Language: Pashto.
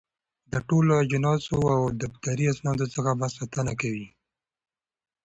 د ټولو اجناسو او دفتري اسنادو څخه به ساتنه کوي.